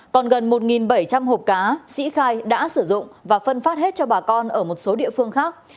còn gần một bảy trăm linh hộp cá sĩ khai đã sử dụng và phân phát hết cho bà con ở một số địa phương khác